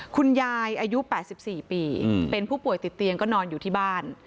คุณยายอายุ๘๔ปีเป็นผู้ป่วยติดเตียงก็นอนอยู่ที่บ้าน